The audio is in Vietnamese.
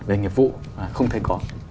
về nghiệp vụ không thể có